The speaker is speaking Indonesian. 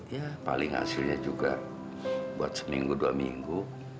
ya paling hasilnya juga buat seminggu dua minggu